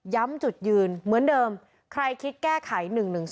จุดยืนเหมือนเดิมใครคิดแก้ไข๑๑๒